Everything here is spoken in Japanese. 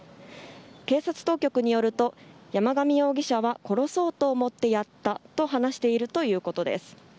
警察当局によると山上容疑者は殺そうと思ってやったと話しているということです。